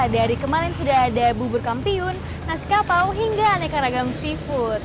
dari kemarin sudah ada bubur kampiun nasi kapau hingga aneka ragam seafood